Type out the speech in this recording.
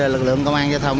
lực lượng công an giao thông